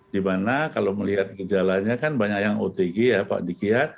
di mana kalau melihat gejalanya kan banyak yang otg ya pak dikya